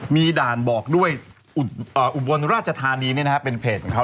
มีด่านบอกด้วยอุบลราชธานีเป็นเพจของเขา